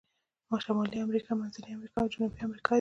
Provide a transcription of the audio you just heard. شمالي امریکا، منځنۍ امریکا او جنوبي امریکا دي.